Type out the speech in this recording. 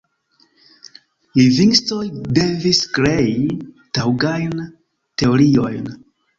Lingvistoj devis krei taŭgajn teoriojn.